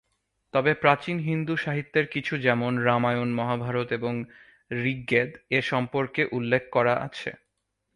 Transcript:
তবে প্রাচীন হিন্দু সাহিত্যের কিছু যেমন রামায়ণ, মহাভারত এবং ঋগ্বেদ এ সম্পর্কে উল্লেখ করা আছে।